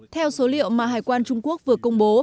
theo số liệu mà hải quan trung quốc vừa công bố